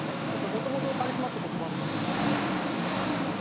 もともとのカリスマって言葉の意味を考えれば。